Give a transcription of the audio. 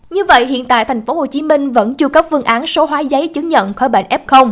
như vậy hiện tại tp hcm vẫn chưa cấp phương án số hóa giấy chứng nhận khỏi bệnh f